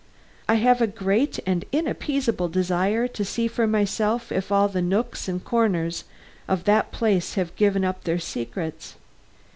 I have a great and inappeasable desire to see for myself if all the nooks and corners of that place have given up their secrets.